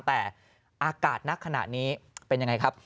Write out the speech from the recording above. แต่อากาศณขณะนี้เป็นยังไงครับ